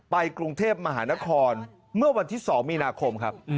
ไปกรุงเทพมหานครเมื่อวันที่๒มีนาคมครับ